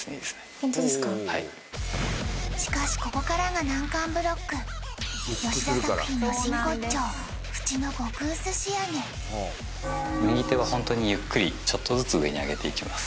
ホントですかしかしここからが難関ブロック吉田作品の真骨頂縁の極薄仕上げ右手はホントにゆっくりちょっとずつ上に上げていきます